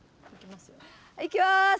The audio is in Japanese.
いきます。